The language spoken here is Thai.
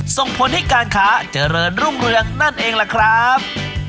ส่งผลให้การค้าเจริญรุ่งเรืองนั่นเองล่ะครับ